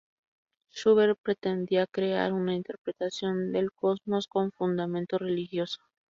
Schubert pretendía crear una interpretación del cosmos con fundamento religioso.